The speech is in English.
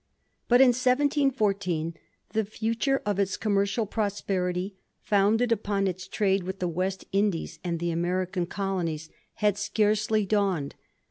But in 1714 the future of its commercial prosperity, founded upon its trade with the West Indies and the American colonies, had scarcely dawned.